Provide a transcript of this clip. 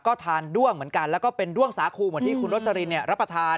ก็ทานด้วงเหมือนกันแล้วก็เป็นด้วงสาคูเหมือนที่คุณโรสลินรับประทาน